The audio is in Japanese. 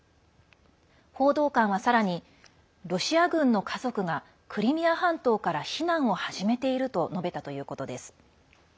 報道官はさらにロシア軍の家族がクリミア半島から避難を始めていると述べたということです。